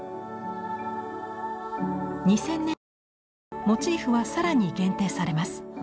２０００年代モチーフは更に限定されます。